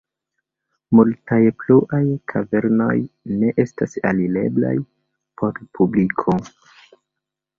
Multaj pluaj kavernoj ne estas alireblaj por publiko.